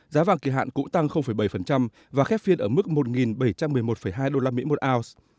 giá vàng kỳ hạn cũng tăng bảy và khép phiên ở mức một bảy trăm một mươi một hai usd một ounce